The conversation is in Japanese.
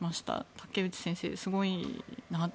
竹内先生、すごいなと。